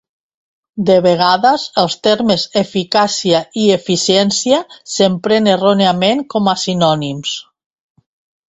De vegades els termes eficàcia i eficiència s'empren erròniament com a sinònims.